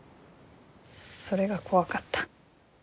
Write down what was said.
それが怖かった。